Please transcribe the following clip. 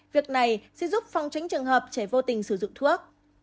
việc này sẽ giúp phòng tránh trường hợp trẻ vô tình sử dụng thuốc